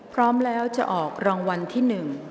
พร้อมแล้วจะออกรางวัลที่๑